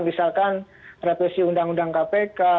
misalkan revisi undang undang kpk